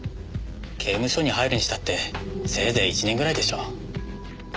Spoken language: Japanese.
刑務所に入るにしたってせいぜい１年ぐらいでしょ。